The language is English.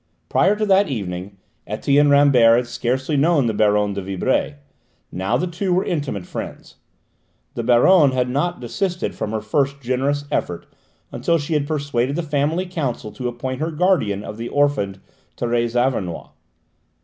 Prior to that event Etienne Rambert had scarcely known the Baronne de Vibray; now the two were intimate friends. The Baronne had not desisted from her first generous effort until she had persuaded the family council to appoint her guardian of the orphaned Thérèse Auvernois.